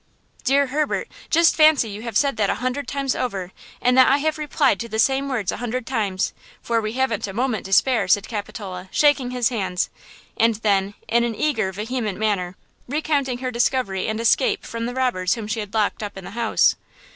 "Dear Herbert, just fancy you have said that a hundred times over and that I have replied to the same words a hundred times–for we haven't a moment to spare," said Capitola, shaking his hands, and then, in an eager, vehement manner, recounting her discovery and escape from the robbers whom she had locked up in the house.